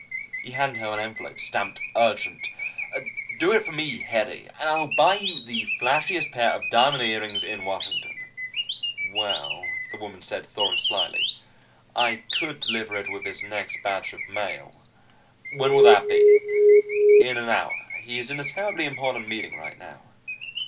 He handed her an envelope, stamped URGENT. "Do it for me, Hedy. And I'll buy you the flashiest pair of diamond earrings in Washington." "Well," the woman said, thawing slightly. "I could deliver it with his next batch of mail." "When will that be?" "In an hour. He's in a terribly important meeting right now."